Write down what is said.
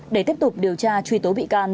để tiếp tục điều tra truy tố bị can